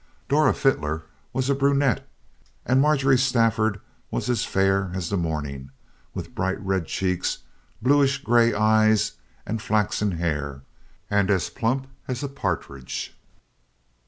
Dora Fitter was a brunette, and Marjorie Stafford was as fair as the morning, with bright red cheeks, bluish gray eyes, and flaxen hair, and as plump as a partridge.